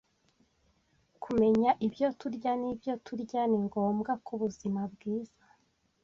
Kumenya ibyo turya nibyo turya ni ngombwa kubuzima bwiza.